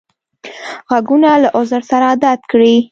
غوږونه له عذر سره عادت کړی